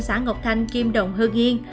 xã ngọc thanh kim động hương yên